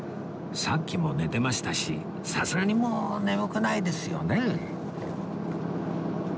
さっきも寝てましたしさすがにもう眠くないですよね？